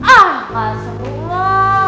ah gak seru lo